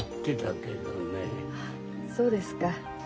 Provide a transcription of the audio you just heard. そうですか。